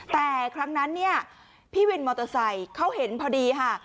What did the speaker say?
แต่ครั้งนั้นเนี่ยพี่วินมอเตอร์ไซค์เขาเห็นพอดีค่ะ